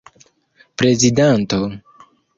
prezidanto